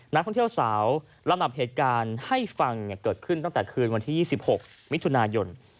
นักท่องเที่ยวสาวลำดับเหตุการณ์ให้ฟังเกิดขึ้นตั้งแต่คืนวันที่๒๖มิถุนายน